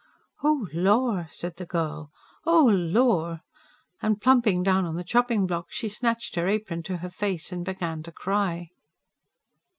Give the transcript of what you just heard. "Oh lor!" said the girl. "Oh, lor!" And plumping down on the chopping block she snatched her apron to her face and began to cry.